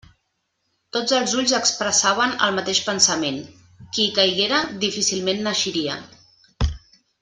Tots els ulls expressaven el mateix pensament: qui hi caiguera, difícilment n'eixiria.